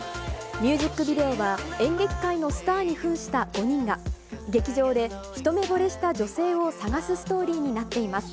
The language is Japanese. ミュージックビデオは、演劇界のスターにふんした５人が、劇場で一目ぼれした女性を探すストーリーになっています。